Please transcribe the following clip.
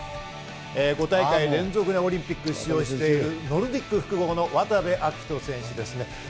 ５大会連続でオリンピック出場している、ノルディック複合の渡部暁斗選手です。